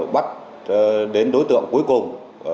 bắt đến đối tượng cuối cùng